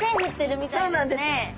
そうなんです。